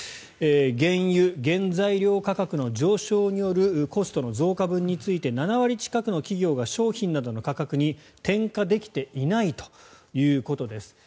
原油・原材料価格の上昇によるコストの増加分について７割近くの企業が商品などの価格に転嫁できていないということです。